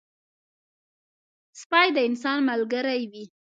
سپي د انسان ملګری وي.